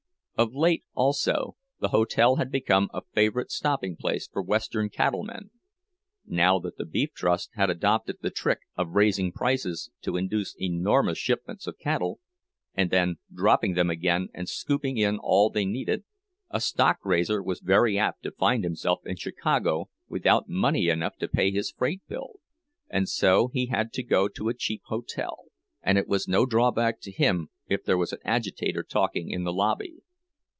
Of late, also, the hotel had become a favorite stopping place for Western cattlemen. Now that the Beef Trust had adopted the trick of raising prices to induce enormous shipments of cattle, and then dropping them again and scooping in all they needed, a stock raiser was very apt to find himself in Chicago without money enough to pay his freight bill; and so he had to go to a cheap hotel, and it was no drawback to him if there was an agitator talking in the lobby.